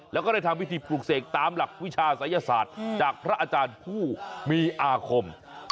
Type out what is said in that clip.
แล้วก็ได้ทำวิธีปลูกเสกตามหลักวิชาศัยศาสตร์จากพระอาจารย์ผู้มีอาคม